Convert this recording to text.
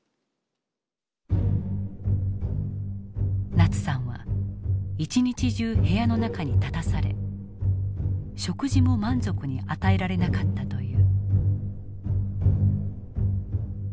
ナツさんは一日中部屋の中に立たされ食事も満足に与えられなかったという。